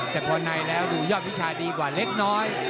แต่พอในแล้วดูยอดวิชาดีกว่าเล็กน้อย